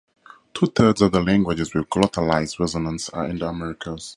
Two-thirds of the languages with glottalized resonants are in the Americas.